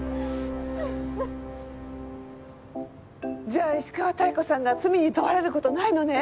じゃあ石川妙子さんが罪に問われる事ないのね？